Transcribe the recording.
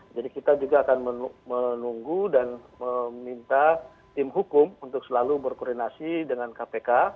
jadi kita juga akan menunggu dan meminta tim hukum untuk selalu berkoordinasi dengan kpk